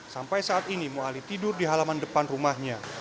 sampai saat ini muali tidur di halaman depan rumahnya